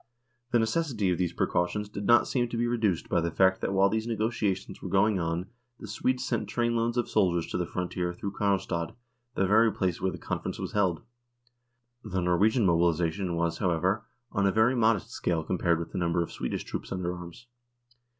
The necessity of these precautions did not seem to be reduced by the fact that while these negotiations were going on the Swedes sent train loads of ooldiers to the frontier through Karlstad, the very place where the conference was held. The Norwegian mobilisation was, however, on a very modest scale compared with the number of Swedish troops under arms.